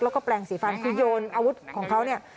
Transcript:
แล้วก็แปลงสีฟันคือโยนอาวุธของเขาเนี่ย